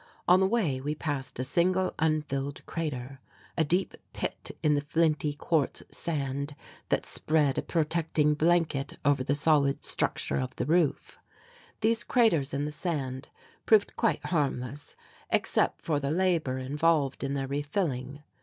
On the way we passed a single unfilled crater, a deep pit in the flinty quartz sand that spread a protecting blanket over the solid structure of the roof. These craters in the sand proved quite harmless except for the labour involved in their refilling.